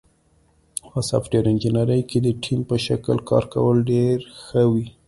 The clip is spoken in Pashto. په سافټویر انجینری کې د ټیم په شکل کار کول ډېر ښه وي.